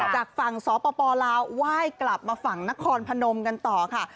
จากฝั่งสปลาวไหว้กลับมาฝั่งนครพนมกันต่อค่ะ